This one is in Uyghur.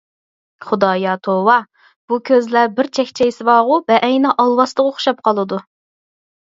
خۇدايا توۋا، بۇ كۆزلەر بىر چەكچەيسە بارغۇ بەئەينى ئالۋاستىغا ئوخشاپ قالىدۇ.